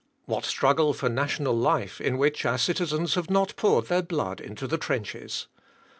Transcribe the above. What struggle for national life, in which our citizens have not poured their blood into the trenches!